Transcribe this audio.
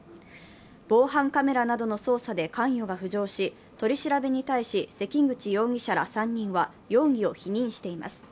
防犯カメラなどの捜査で関与が浮上し、取り調べに対し、関口容疑者ら３人は容疑を否認しています。